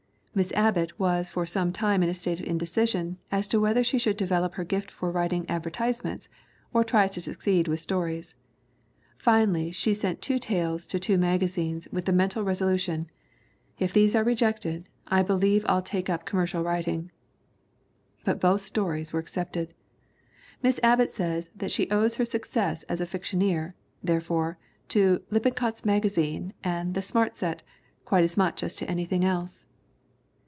Miss Abbott was for some time in a state of indecision as to whether she should develop her gift for writing advertisements or try to succeed with stories. Finally she sent two tales to two magazines with the mental resolution: "If these are rejected, I believe I'll take up com mercial writing." But both stories were accepted. Miss Abbott says that she owes her success as a fictioneer, therefore, to Lippincotfs Magazine and the Smart Set quite as much as to anything else.